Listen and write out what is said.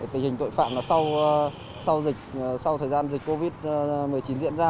tình hình tội phạm sau thời gian dịch covid một mươi chín diễn ra